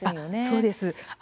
そうです。